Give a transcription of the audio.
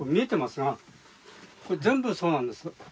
これ全部そうなんです。